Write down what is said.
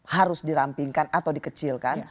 harus dirampingkan atau dikecilkan